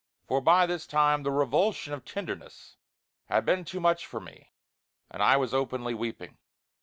for by this time the revulsion of tenderness had been too much for me and I was openly weeping.